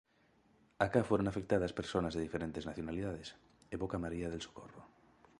Acá fueron afectadas personas de diferentes nacionalidades"", evoca María del Socorro.